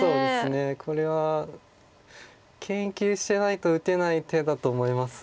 これは研究してないと打てない手だと思います。